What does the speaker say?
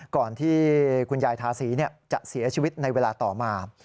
ก่อนที่คุณยายทาสีจะเสียชีวิตในเวลาต่อมา